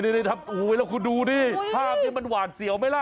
นี่ครับคุณดูนี่ภาพนี้มันหวานเสี่ยวไหมล่ะ